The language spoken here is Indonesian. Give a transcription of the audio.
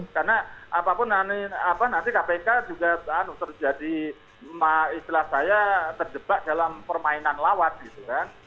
karena apapun nanti nanti kpk juga terjadi istilah saya terjebak dalam permainan lawat gitu kan